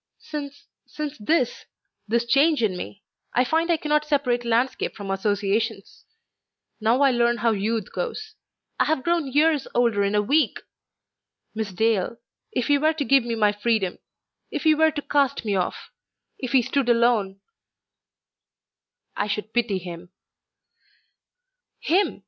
Since ... since this ... this change in me, I find I cannot separate landscape from associations. Now I learn how youth goes. I have grown years older in a week. Miss Dale, if he were to give me my freedom? if he were to cast me off? if he stood alone?" "I should pity him."